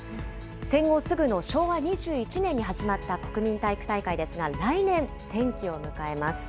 戦後すぐの昭和２１年に始まった国民体育大会ですが、来年、転機を迎えます。